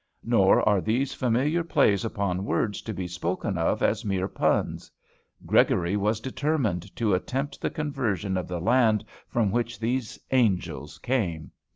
Nor are these familiar plays upon words to be spoken of as mere puns. Gregory was determined to attempt the conversion of the land from which these "angels" came.